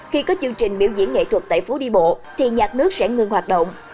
khi có chương trình miễu diễn nghệ thuật tại phố đi bộ thì nhạc nước sẽ ngưng hoạt động